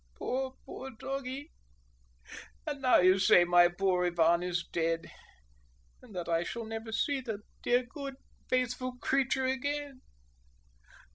Poor, poor doggie! And now you say my poor Ivan is dead, and that I shall never see the dear good faithful creature again.